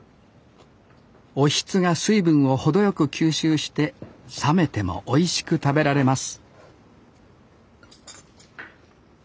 おひつが水分を程よく吸収して冷めてもおいしく食べられます